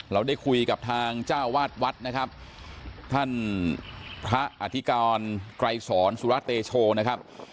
เราได้คุยกับทางเจ้าวาดวัดนะครับท่านพระอธิการไกรสอนสุรเตโชนะครับ